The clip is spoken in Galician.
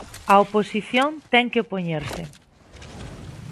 A oposición ten que opoñerse.